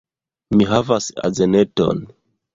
Mi havas azeneton